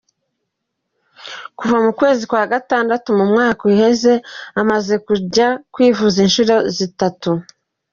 Kuva mu kwezi kwa gatandatu mu mwaka uheze amaze kuja kwivuza inshuro zitatu.